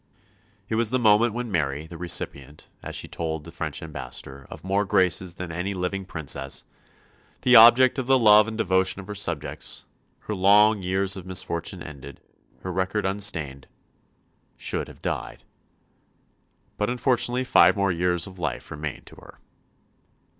It was the moment when Mary, the recipient, as she told the French ambassador, of more graces than any living Princess; the object of the love and devotion of her subjects; her long years of misfortune ended; her record unstained, should have died. But, unfortunately, five more years of life remained to her.